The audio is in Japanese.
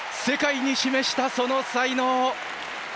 世界に示したその才能。